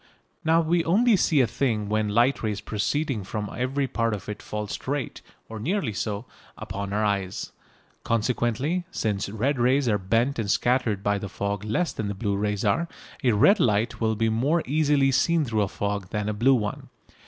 Now we only see a thing when light rays proceeding from every part of it fall straight (or nearly so) upon our eyes. Consequently, since red rays are bent and scattered by the fog less than blue rays are, a red light will be more easily seen through a fog than a blue one.